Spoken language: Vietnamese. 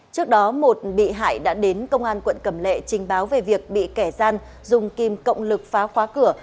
trước đó một bị hại đã đến công an quận cầm lệ trình báo về việc bị kẻ gian dùng kim cộng lực phá khóa cửa